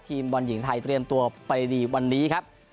บอลหญิงไทยเตรียมตัวไปดีวันนี้ครับ